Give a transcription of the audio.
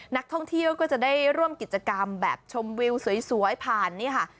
นักท่องเที่ยวก็จะได้ร่วมกิจกรรมแบบชมวิวสวยผ่านนี่ค่ะ